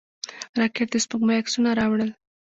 راکټ د سپوږمۍ عکسونه راوړل